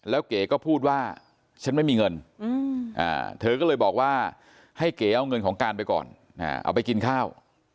แล้วเก๋ก็พูดว่าฉันไม่มีเงินเธอก็เลยบอกว่าให้เก๋เอาเงินของการไปก่อนเอาไปกินข้าว